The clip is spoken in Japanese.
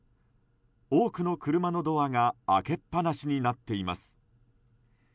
多くの車のドアが開けっ放しになっています。